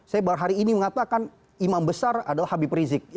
saya baru hari ini mengatakan imam besar adalah habib rizik